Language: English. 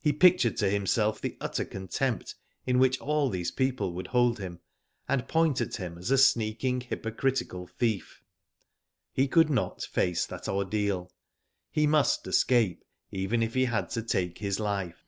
He pictured to himself the utter contempt in which all these people would hold him, and point at him as a sneaking hypocritical thief. Digitized byGoogk 28o WHO DID IT? He could not face that ordeal. He must escape it, even if he had to take his life.